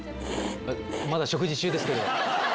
まだ食事中ですけど。